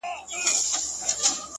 بېغمه غمه د هغې راته راوبهيدې’